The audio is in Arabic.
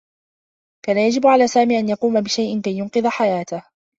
كان يجب على سامي أن يقوم بشيء كي ينقذ حياته.